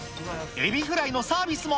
エビフライのサービスも。